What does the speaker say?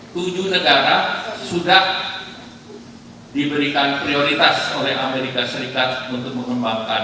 tujuh negara sudah diberikan prioritas oleh amerika serikat untuk mengembangkan